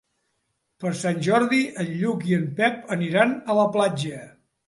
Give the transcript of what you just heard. Per Sant Jordi en Lluc i en Pep aniran a la platja.